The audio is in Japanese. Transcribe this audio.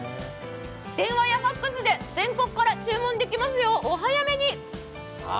電話やＦＡＸで全国から注文できますよ、お早めに！